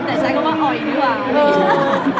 แต่ใช้คำว่าอ่อยดีกว่า